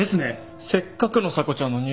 せっかくの査子ちゃんの入学祝いが。